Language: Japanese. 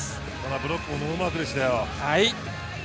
ブロックもノーマークでしたよ。